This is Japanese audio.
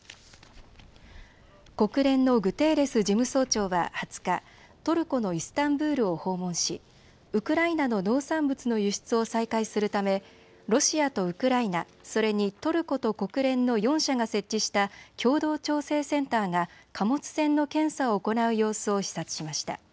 国連のグテーレス事務総長は２０日、トルコのイスタンブールを訪問しウクライナの農産物の輸出を再開するためロシアとウクライナ、それにトルコと国連の４者が設置した共同調整センターが貨物船の検査を行う様子を視察しました。